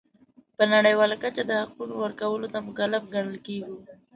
په نړیواله کچه د حقونو ورکولو ته مکلف ګڼل کیږي.